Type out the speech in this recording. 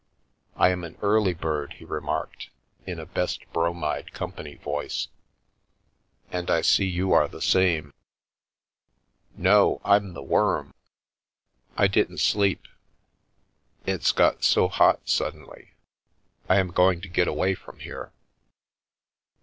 I am an early bird," he remarked, in a best bromide company voice, " and I see you are the same." " No, I'm the worm. I didn't sleep. It's got so hot suddenly. I am going to get away from here."